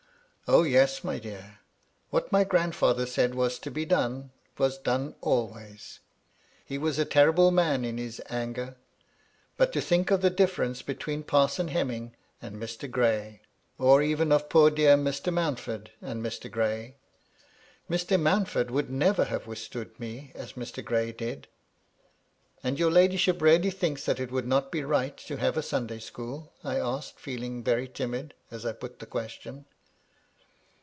" O yes, my dear. What my grandfather said was to be done, was done always. He was a terrible man in his anger 1 But to think of the diflerence between Parson Hemming and Mr. Gray! or even of poor, dear Mr. Mountford and Mr. Gray. Mr. Mountford would never have withstood me as Mr. Gray did 1'' " And your ladyship really thinks that it would not be right to have a Sunday school?*' I asked, feeling very timid as I put the question.